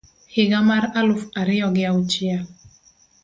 higa mar aluf ariyo gi auchiel